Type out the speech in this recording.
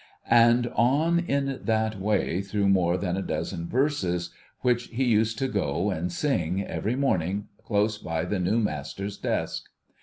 ^and on in that way through more than a dozen verses, which he used to go and sing, every morning, close by the new master's desk.